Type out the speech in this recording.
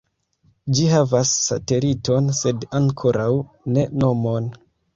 Ĝi havas sateliton sed ankoraŭ ne nomon.